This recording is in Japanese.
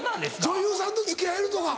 女優さんと付き合えるとか。